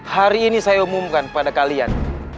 hari ini saya umumkan kepada kalian